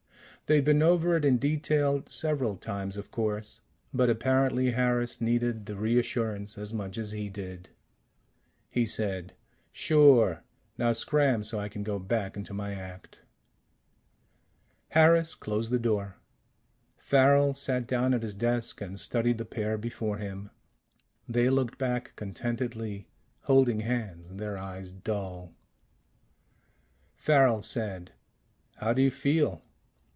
They'd been over it in detail several times, of course, but apparently Harris needed the reassurance as much as he did. He said: "Sure. Now scram so I can go back into my act." Harris closed the door. Farrel sat down at his desk and studied the pair before him. They looked back contentedly, holding hands, their eyes dull. Farrel said, "How do you feel?"